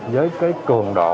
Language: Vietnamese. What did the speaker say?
với cái cường độ